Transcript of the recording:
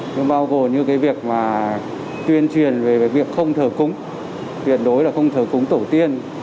nhưng bao gồm như cái việc mà tuyên truyền về cái việc không thờ cúng tuyệt đối là không thờ cúng tổ tiên